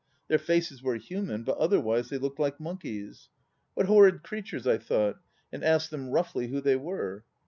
Their faces were human, but otherwise they looked like monkeys. "What horrid creatures," I thought, and asked them roughly who they were.